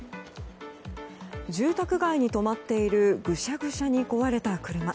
住宅街に止まっているぐしゃぐしゃに壊れた車。